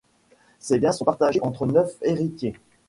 Ses biens sont partagés entre neuf héritiers.